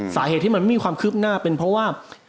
สาเหตุที่มันไม่มีความคืบหน้าเป็นเพราะว่า